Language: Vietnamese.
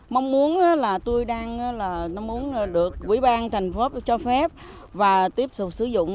mong muốn là tôi đang là muốn được ủy ban thành phố cho phép và tiếp tục sử dụng